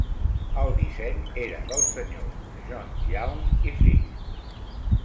El disseny era dels senyors John Young i fill.